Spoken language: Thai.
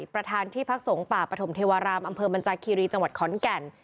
ประธานที่พักสงฆ์ป่าปฐมเทวารามอำเภอบรรจาคีรีจังหวัดขอนแก่น